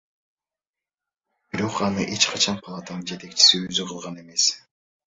Бирок аны эч качан палатанын жетекчиси өзү кылган эмес.